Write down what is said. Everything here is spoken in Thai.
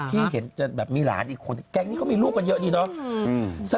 ที่เห็นจะแบบมีหลานอีกคนแก๊งนี้ก็มีลูกกันเยอะดีเนาะ